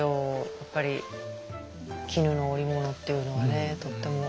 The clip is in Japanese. やっぱり絹の織物っていうのはねとっても。